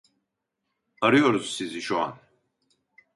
Arıyoruz sizi şu an